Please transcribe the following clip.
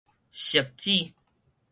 汐止